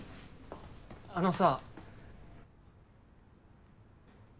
あのさ。